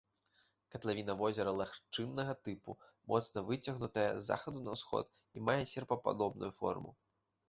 Катлавіна возера лагчыннага тыпу, моцна выцягнутая з захаду на ўсход і мае серпападобную форму.